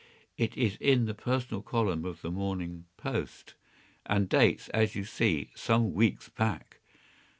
It is in the personal column of The Morning Post, and dates, as you see, some weeks back.